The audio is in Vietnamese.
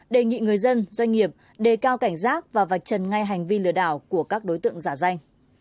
đề nghị người dân doanh nghiệp đề cao cảnh giác và vạch trần ngay hành vi lừa đảo của các đối tượng giả danh